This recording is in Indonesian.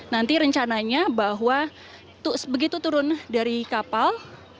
nanti rencananya bahwa begitu turun dari kapal